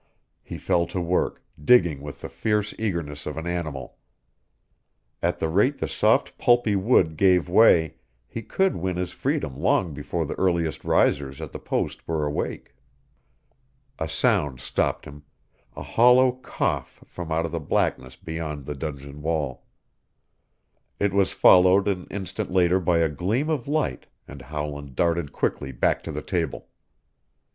He fell to work, digging with the fierce eagerness of an animal. At the rate the soft pulpy wood gave way he could win his freedom long before the earliest risers at the post were awake. A sound stopped him, a hollow cough from out of the blackness beyond the dungeon wall. It was followed an instant later by a gleam of light and Howland darted quickly back to the table.